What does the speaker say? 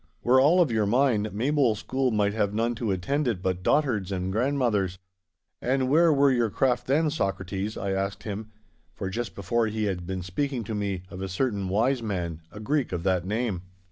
Were all of your mind, Maybole school might have none to attend it but dotards and grandmothers! And where were your craft then, Socrates?' I asked him, for just before he had been speaking to me of a certain wise man, a Greek of that name.